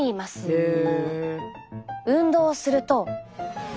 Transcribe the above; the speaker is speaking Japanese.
へえ。